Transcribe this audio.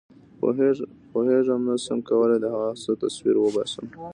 پوهېږم نه شم کولای د هغه څه تصویر وباسم.